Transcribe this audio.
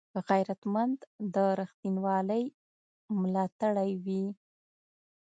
غیرتمند د رښتینولۍ ملاتړی وي